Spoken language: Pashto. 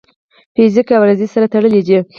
فزیک او ریاضي سره تړلي دي.